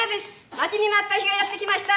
待ちに待った日がやってきました！